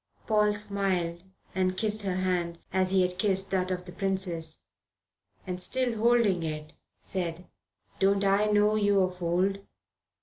Paul smiled and kissed her hand as he had kissed that of the princess, and, still holding it, said: "Don't I know you of old?